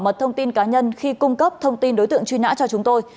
hãy bảo mật thông tin cá nhân khi cung cấp thông tin đối tượng truy nã cho chúng tôi